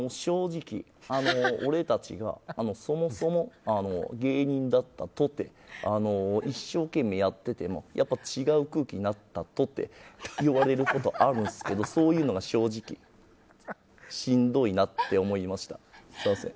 正直、俺たちがそもそも、芸人だったとて一生懸命やっていても違う空気になったとて言われることあるんすけどそういうのが正直しんどいなって思いました。